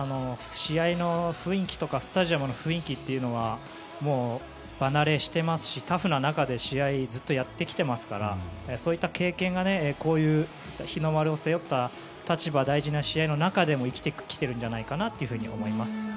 試合の雰囲気とかスタジアムの雰囲気というのは場慣れしていますしタフな中で、試合をずっとやってきていますからそういった経験がこういう日の丸を背負った立場、大事な試合の中でも生きてきているんじゃないかなと思います。